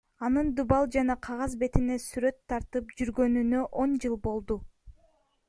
Анын дубал жана кагаз бетине сүрөт тартып жүргөнүнө он жыл болду.